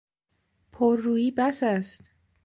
پررویی بس است!